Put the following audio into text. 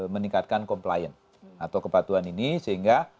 meningkatkan complian atau kepatuhan ini sehingga